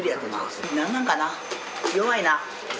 何なんかな弱いな。